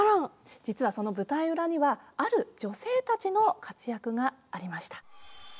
実はその舞台裏にはある女性たちの活躍がありました。